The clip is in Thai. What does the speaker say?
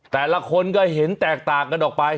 แต่ละคนก็เห็นแตกต่างกันออกไป